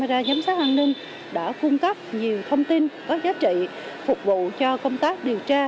ra giám sát an ninh đã cung cấp nhiều thông tin có giá trị phục vụ cho công tác điều tra